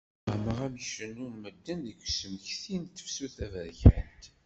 Wehmeɣ amek cennun medden deg usmekti n tefsut taberkant!